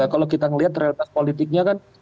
kalau kita melihat realitas politiknya kan